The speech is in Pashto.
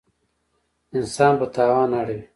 انسان په تاوان اړوي.